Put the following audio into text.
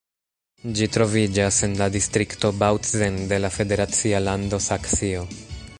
Ĝi troviĝas en la distrikto Bautzen de la federacia lando Saksio.